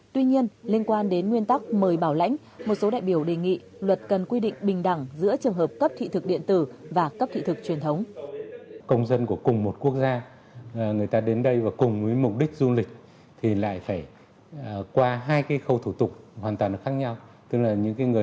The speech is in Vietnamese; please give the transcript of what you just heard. tuy nhiên liên quan đến nguyên tắc mời bảo lãnh một số đại biểu đề nghị luật cần quy định bình đẳng giữa trường hợp cấp thị thực điện tử và cấp thị thực truyền thống